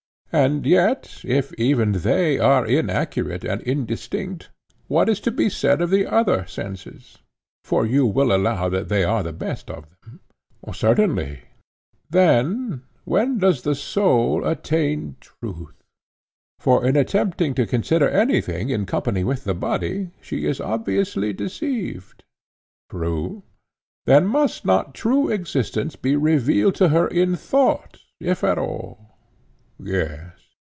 and yet, if even they are inaccurate and indistinct, what is to be said of the other senses?—for you will allow that they are the best of them? Certainly, he replied. Then when does the soul attain truth?—for in attempting to consider anything in company with the body she is obviously deceived. True. Then must not true existence be revealed to her in thought, if at all? Yes.